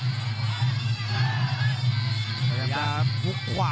กรรมการเตือนทั้งคู่ครับ๖๖กิโลกรัม